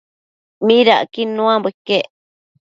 midacquid nuambo iquec?